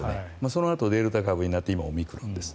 そのあとデルタ株になって今、オミクロンです。